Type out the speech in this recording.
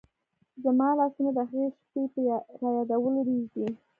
زما لاسونه د هغې شپې په رایادېدلو رېږدي.